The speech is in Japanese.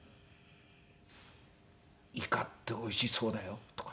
「イカっておいしそうだよ」とか。